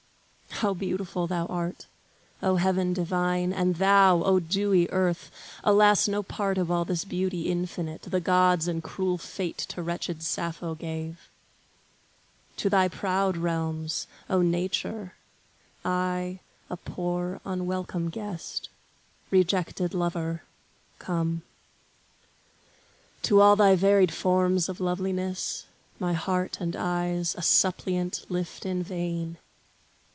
How beautiful thou art, O heaven divine, And thou, O dewy earth! Alas no part Of all this beauty infinite, the gods And cruel fate to wretched Sappho gave! To thy proud realms, O Nature, I, a poor, Unwelcome guest, rejected lover, come; To all thy varied forms of loveliness, My heart and eyes, a suppliant, lift in vain.